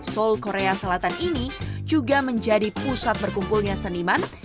seoul korea selatan ini juga menjadi pusat berkumpulnya seniman